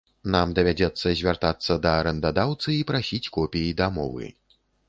Нам давядзецца звяртацца да арэндадаўцы і прасіць копіі дамовы.